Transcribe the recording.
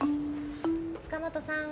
塚本さん。